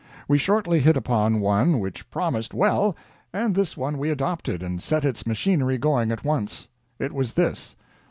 We shortly hit upon one which promised well, and this one we adopted, and set its machinery going at once. It was this.